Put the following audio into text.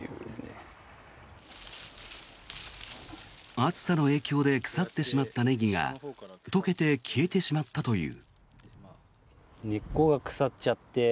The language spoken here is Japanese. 暑さの影響で腐ってしまったネギが溶けて消えてしまったという。